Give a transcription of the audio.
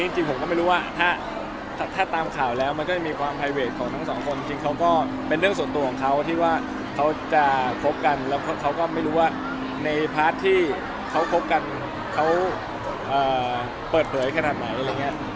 จริงผมก็ไม่รู้ว่าถ้าตามข่าวแล้วมันก็จะมีความไฮเวทของทั้งสองคนจริงเขาก็เป็นเรื่องส่วนตัวของเขาที่ว่าเขาจะคบกันแล้วเขาก็ไม่รู้ว่าในพาร์ทที่เขาคบกันเขาเปิดเผยขนาดไหนอะไรอย่างนี้